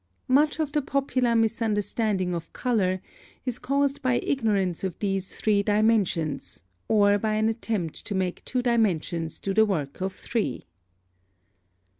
+ (13) Much of the popular misunderstanding of color is caused by ignorance of these three dimensions or by an attempt to make two dimensions do the work of three.